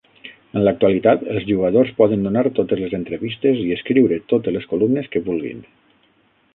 En l'actualitat, els jugadors poden donar totes les entrevistes i escriure totes les columnes que vulguin.